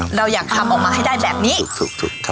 เราอยากทำออกมาให้ได้แบบนี้ถูกค่ะ